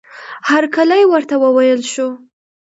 هرکلی ورته وویل شو.